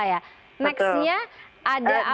next nya ada apa